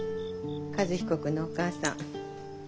和彦君のお母さん。